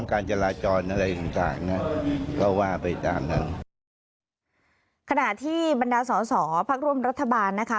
ขณะที่บรรดาสอภักดิ์รวมรัฐบาลนะคะ